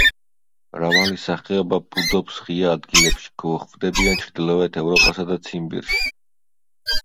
მრავალი სახეობა ბუდობს ღია ადგილებში, გვხვდებიან ჩრდილოეთ ევროპასა და ციმბირში.